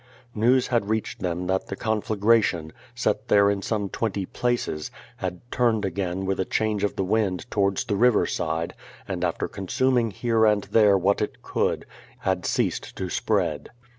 News had reached them that the conflagration, set there in some iwenty places, had turned again with a change of the wind towards the river side, and after consuming here and there what it could, had ceased to spread.